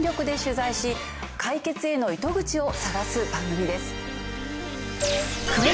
解決への糸口を探す番組です。